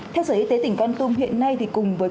theo sở y tế tỉnh con tum hiện nay thì cùng với